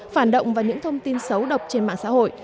phản động và những thông tin xấu độc trên mạng xã hội